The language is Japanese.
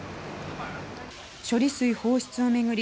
処理水放出を巡り